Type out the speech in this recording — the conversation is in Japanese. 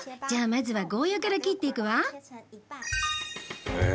まずはゴーヤーから切っていくわ。